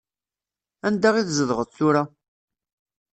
Anda i tzedɣeḍ tura?